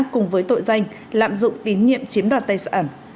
cùng với tội danh lạm dụng tín nhiệm chiếm đoạt tài sản